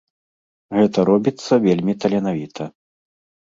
Гэта робіцца вельмі таленавіта.